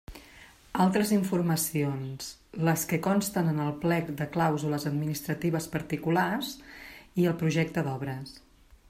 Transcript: Altres informacions: les que consten en el plec de clàusules administratives particulars i al projecte d'obres.